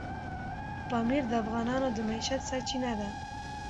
پامیر د افغانانو د معیشت سرچینه ده.